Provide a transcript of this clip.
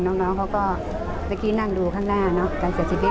นพุนั่งดูหน้าการเสียชีวิต